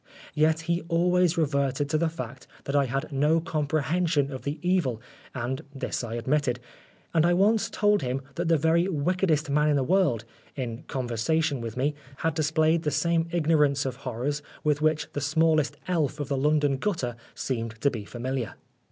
Yet he always reverted to the fact that I had no comprehension of the evil, and this I ad mitted ; and I once told him that the very wickedest man in the world, in conversation with me, had displayed the same ignorance of horrors with which the smallest elf of the Oscar Wilde London gutter seemed to be familiar.